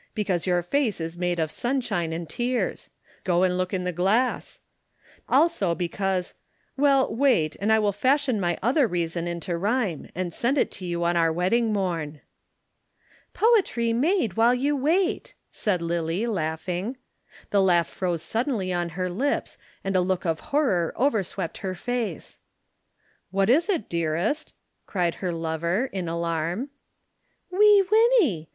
"Because your face is made of sunshine and tears. Go and look in the glass. Also because well, wait and I will fashion my other reason into rhyme and send it you on our wedding morn." "Poetry made while you wait," said Lillie, laughing. The laugh froze suddenly on her lips, and a look of horror overswept her face. "What is it, dearest?" cried her lover, in alarm. "Wee Winnie!